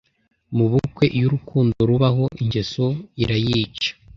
Mubukwe, iyo urukundo rubaho, ingeso irayica